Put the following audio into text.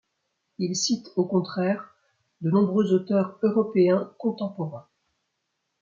Il cite au contraire de nombreux auteurs européens contemporains.